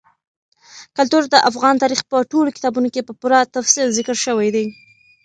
کلتور د افغان تاریخ په ټولو کتابونو کې په پوره تفصیل ذکر شوی دي.